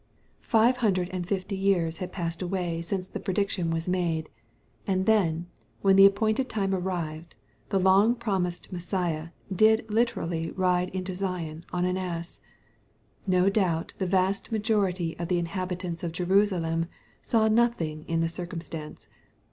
Five hundred and fifty years had passed away 12 266 EXPOSITORY THOUGHTS. Since tbe prediction was made, — ^and then, when tbe ajH pointed time arrived, the long promised Messiah did literally ride into Zion on an ass. No doubt the vast majority of the inhabitants of Jerusalem saw nothing in the circumstance.